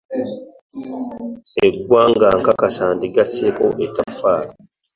Eggwanga nkakasa ndigasseeko ettoffaali.